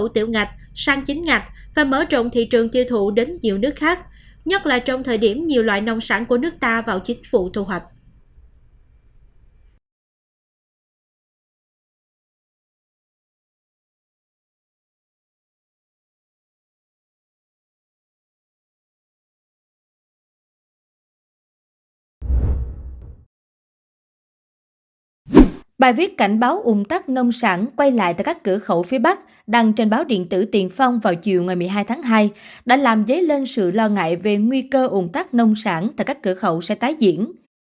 tình trạng ủng tắc nông sản quay lại tại các cửa khẩu phía bắc đăng trên báo điện tử tiền phong vào chiều một mươi hai tháng hai đã làm dấy lên sự lo ngại về nguy cơ ủng tắc nông sản tại các cửa khẩu xe tái diễn